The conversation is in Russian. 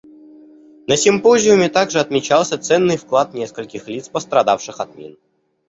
На симпозиуме также отмечался ценный вклад нескольких лиц, пострадавших от мин.